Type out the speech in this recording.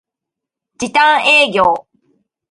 時短営業